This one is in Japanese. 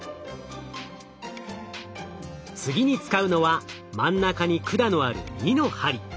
次に使うのは真ん中に管のある２の針。